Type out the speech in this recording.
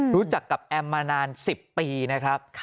รู้จักกับแอมมานาน๑๐ปีนะครับ